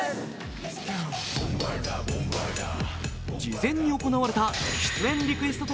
事前に行われた出演リクエスト